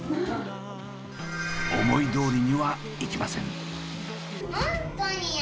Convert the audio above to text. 思いどおりにはいきません。